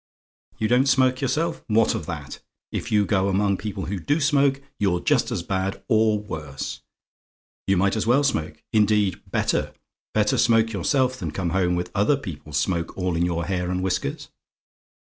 YOU DON'T SMOKE YOURSELF? What of that? If you go among people who DO smoke, you're just as bad, or worse. You might as well smoke indeed, better. Better smoke yourself than come home with other people's smoke all in your hair and whiskers.